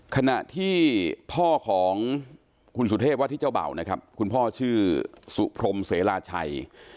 ขณะที่พ่อของคุณสุเทพว่าที่เจ้าเบ่านะครับคุณพ่อชื่อสุพรมเสราชัย